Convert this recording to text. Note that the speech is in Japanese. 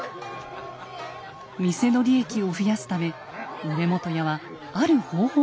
店の利益を増やすため梅本屋はある方法に打って出ます。